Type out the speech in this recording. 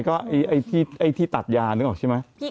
ก็ไอ้ที่ตัดยานึกออกใช่ไหม